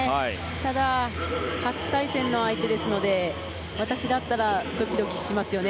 ただ、初対戦の相手ですので私だったらドキドキしますよね。